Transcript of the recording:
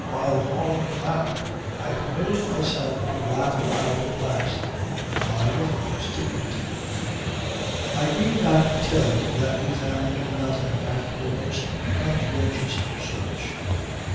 While hauling him out I permitted myself to laugh aloud at last. Fyne, of course, didn't. I need not tell you that we found nothing after a most conscientious search.